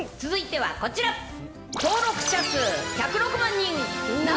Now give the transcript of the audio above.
続いてはこちら、登録者数１０６万人。